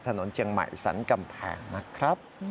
ถนนเชียงใหม่สันกำแพงนะครับ